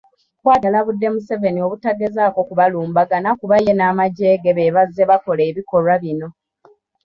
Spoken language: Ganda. Bw'atyo alabudde Museveni obutagezaako kubalumbagana kuba ye n'amagye ge be bazze bakola ebikolwa bino.